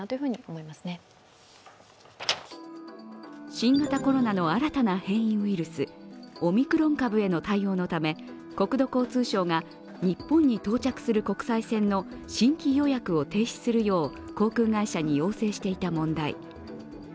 新型コロナの新たな変異ウイルス、オミクロン株への対応のため国土交通省が日本に到着する国際線の新規予約を停止するよう航空会社に要請していた問題。